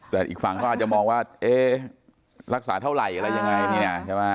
แต่อีกฝั่งครอบครัวจะมองว่ารักษาเท่าไหร่อะไรยังไง